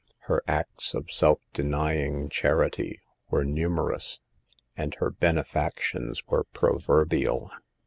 Her acts of self denying charity were numerous ; and her benefactions were prover bial.